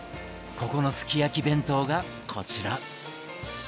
ここのすき焼き弁当がこちら。